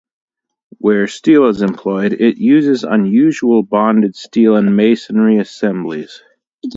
Where steel is employed, it uses unusual bonded steel and masonry assemblies.